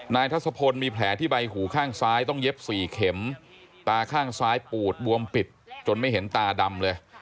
ทัศพลมีแผลที่ใบหูข้างซ้ายต้องเย็บสี่เข็มตาข้างซ้ายปูดบวมปิดจนไม่เห็นตาดำเลย